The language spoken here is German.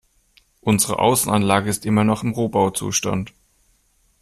Unsere Außenanlage ist immer noch im Rohbauzustand.